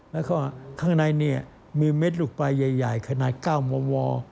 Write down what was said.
แล้วก็ข้างในเนี่ยมีเม็ดลูกปลายใหญ่ขนาด๙มม